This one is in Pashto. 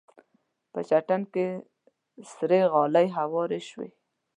په چمن کې سرې غالۍ هوارې شوې.